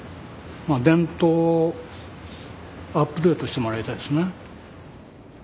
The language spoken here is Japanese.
まあ伝統をアップデートしてもらいたいですね。